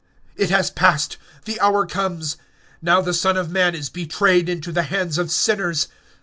It is enough, the hour is come; behold, the Son of man is betrayed into the hands of sinners.